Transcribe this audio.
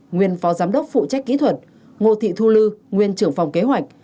nguyên phó giám đốc phụ trách kỹ thuật ngô thị thu lư nguyên trưởng phòng kế hoạch